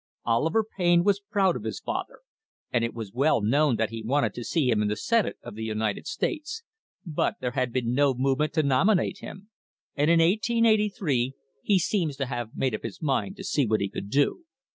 Oliver Payne was proud of his father, and it was well known that he wanted to see him in the Senate of the United States, but there had been no movement to nominate him, and in 1883 he seems to have made up his mind to see what he could do.